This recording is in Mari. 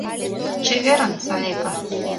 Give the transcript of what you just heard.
— Чеверын, Санепа!